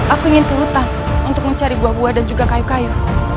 aku ingin ke hutan untuk mencari buah buah dan juga kayu kayu